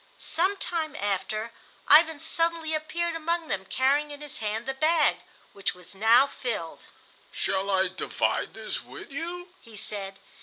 Some time after Ivan suddenly appeared among them carrying in his hand the bag, which was now filled. "Shall I divide this with you?" he said.